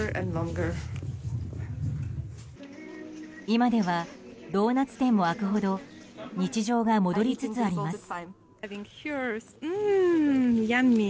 今ではドーナツ店も開くほど日常が戻りつつあります。